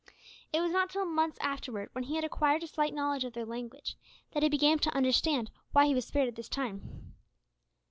It was not till months afterwards, when he had acquired a slight knowledge of their language, that he came to understand why he was spared at this time.